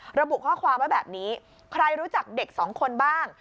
เพราะว่าแบบนี้ใครรู้จักเด็กสองคนบ้าง